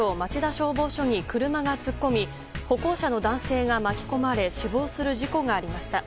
消防署に車が突っ込み歩行者の男性が巻き込まれ死亡する事故がありました。